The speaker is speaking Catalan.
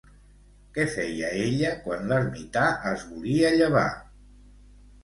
Què feia ella quan l'ermità es volia llevar?